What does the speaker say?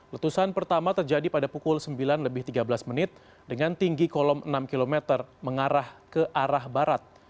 letusan pertama terjadi pada pukul sembilan lebih tiga belas menit dengan tinggi kolom enam km mengarah ke arah barat